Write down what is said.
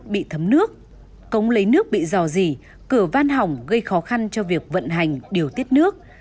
bị thấm nước cống lấy nước bị dò dỉ cửa van hỏng gây khó khăn cho việc vận hành điều tiết nước